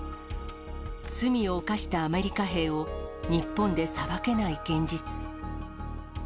罪を犯したアメリカ兵を、日本で裁けない現実。